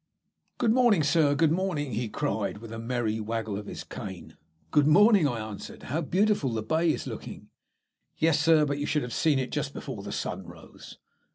"Good morning, Sir, good morning!" he cried with a merry waggle of his cane. "Good morning!" I answered, "how beautiful the bay is looking." "Yes, Sir, but you should have seen it just before the sun rose."